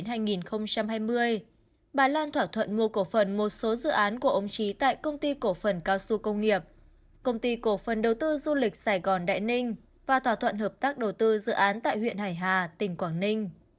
từ năm hai nghìn một mươi bảy đến hai nghìn hai mươi bà lan thỏa thuận mua cổ phần một số dự án của ông trí tại công ty cổ phần cao su công nghiệp công ty cổ phần đầu tư du lịch sài gòn đại ninh và thỏa thuận hợp tác đầu tư dự án tại huyện hải hà tỉnh quảng ninh